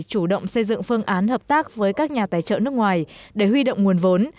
chủ động xây dựng phương án hợp tác với các nhà tài trợ nước ngoài để huy động nguồn vốn